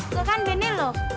gak kan benih lu